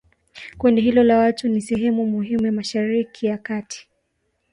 kundi hilo la watu ni sehemu muhimu ya mashariki ya kati